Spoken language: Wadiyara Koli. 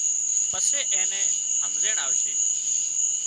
پسي اين نِين همزيڻ آوشي